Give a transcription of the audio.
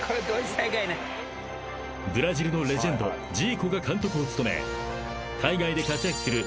［ブラジルのレジェンドジーコが監督を務め海外で活躍する］